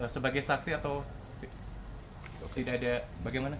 sebagai saksi atau tidak ada bagaimana